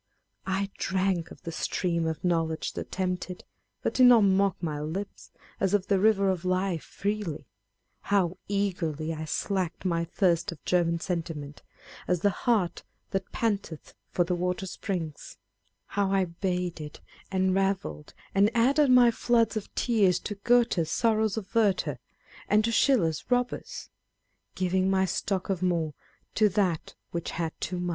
I drank of the stream of knowledge that tempted, but did not mock my lips, as of the river of life, freely. How eagerly I slaked my thirst of German sentiment, "as the hart that panteth for the water springs ;" how I bathed and revelled, and added my floods of tears to Goethe's Sorrows of Werter, and to Schiller's Bobbers â€" Giving my stock of more to that which had too much